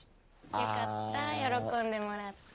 よかった喜んでもらって。